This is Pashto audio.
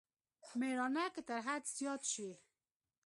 مېړانه که تر حد زيات شي.